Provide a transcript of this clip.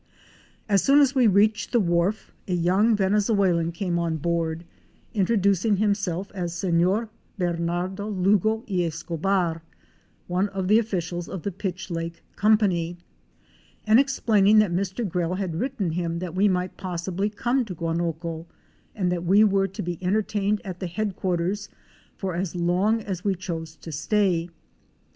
As soon as we reached the wharf, a young Venezuelan A WOMAN'S EXPERIENCES IN VENEZUELA. 87 came on board, introducing himself as Sefior Bernardo Lugo y Escobar, — one of the officials of the Pitch Lake Company, and explaining that Mr. Grell had written him that we might possibly come to Guanoco and that we were to be entertained at the headquarters for as long as we chose to stay.